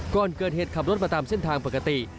ก่อนเกิดเหตุขับรถมาตามเส้นทางปกติ